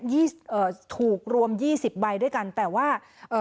ี่เอ่อถูกรวมยี่สิบใบด้วยกันแต่ว่าเอ่อ